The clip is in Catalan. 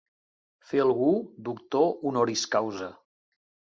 Fer algú doctor 'honoris causa'.